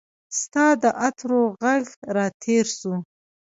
ستا د عطرو ږغ راتیر سو